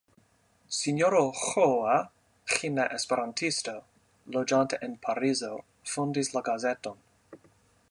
Sinjoro Ĥoa , Ĥina Esperantisto, loĝanta en Paris fondis la gazeton.